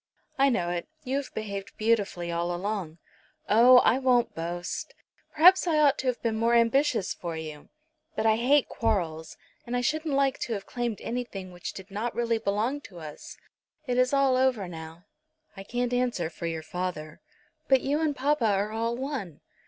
"I know it. You have behaved beautifully all along." "Oh; I won't boast. Perhaps I ought to have been more ambitious for you. But I hate quarrels, and I shouldn't like to have claimed anything which did not really belong to us. It is all over now." "I can't answer for your father." "But you and papa are all one."